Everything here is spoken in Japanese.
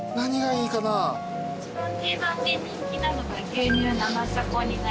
一番定番で人気なのが牛乳生チョコになります。